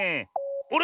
あれ？